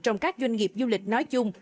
trong các doanh nghiệp du lịch nói chung